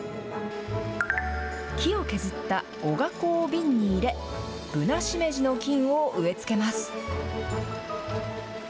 木を削ったおが粉を瓶に入れ、ぶなしめじの菌を植え付けます。